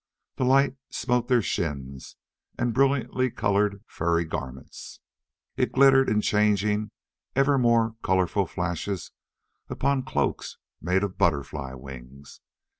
The light smote their shins and brilliantly colored furry garments. It glittered in changing, ever more colorful flashes upon cloaks made of butterfly wings.